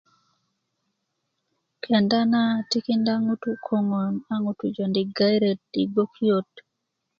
kenda na tikinda ŋutú koŋon a ŋutú jondi gairet i gbokiyot